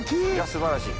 素晴らしい。